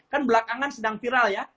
kan belakangan sedang viral ya